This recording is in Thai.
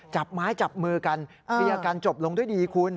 จับไม้จับมือกันเคลียร์กันจบลงด้วยดีคุณ